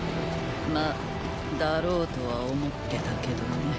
まだろうとは思ってたけどね